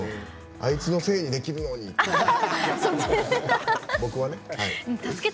あいつのせいにできるのにって。